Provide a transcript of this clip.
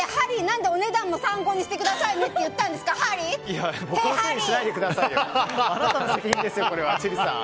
何で、お値段も参考にしてくださいねって言ったんですか、ねえハリー！